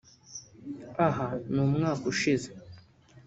Aha ni umwaka ushize